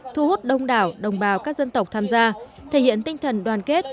thu hút đông đảo đồng bào các dân tộc tham gia thể hiện tinh thần đoàn kết